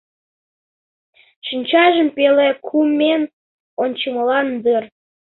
Шинчажым пеле кумен ончымылан дыр.